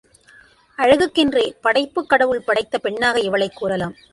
அழகுக்கென்றே படைப்புக் கடவுள் படைத்த பெண்ணாக இவளைக் கூறலாம்.